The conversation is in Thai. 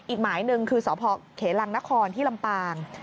อีกหมายหนึ่งคือสพเขลังนครที่ลำปาง